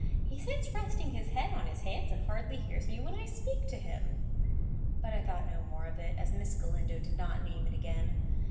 "He sits resting his head on his hand, and hardly hears me when I speak to him." But I thought no more of it, as Miss Galindo did not name it again.